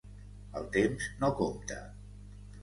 El temps no compta.